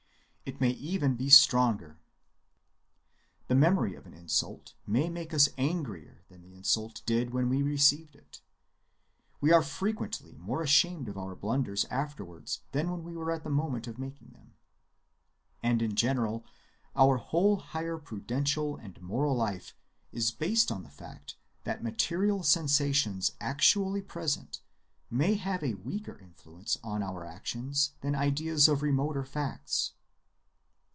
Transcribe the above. It may be even stronger. The memory of an insult may make us angrier than the insult did when we received it. We are frequently more ashamed of our blunders afterwards than we were at the moment of making them; and in general our whole higher prudential and moral life is based on the fact that material sensations actually present may have a weaker influence on our action than ideas of remoter facts.